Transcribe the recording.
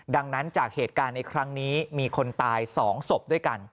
ดังนั้นจากเหตุการณ์ในครั้งนี้มีคนตาย๒ศพด้วยกัน